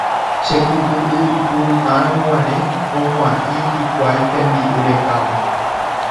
Chekypy'y ipuru'ãrõguare ohua'ĩ hikuái tembi'u rekávo.